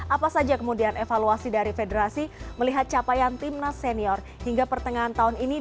apa saja kemudian evaluasi dari federasi melihat capaian timnas senior hingga pertengahan tahun ini